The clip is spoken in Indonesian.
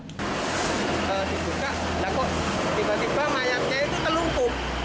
tiba tiba mayatnya itu telungkup